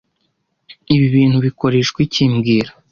Ibi bintu bikoreshwa iki mbwira